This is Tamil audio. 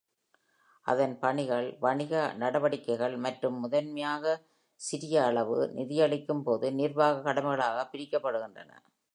அதன் பணிகள், வணிக நடவடிக்கைகள் மற்றும் முதன்மையாக சிரிய அளவு நிதியளிக்கும் பொது நிர்வாக கடமைகளாக பிரிக்கப்படுகின்றன.